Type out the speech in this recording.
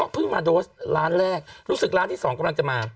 เพิ่งมาโดสล้านแรกรู้สึกล้านที่สองกำลังจะมา